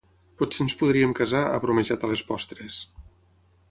Potser ens podríem casar, ha bromejat a les postres.